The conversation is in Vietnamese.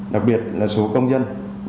đặc biệt là số công dân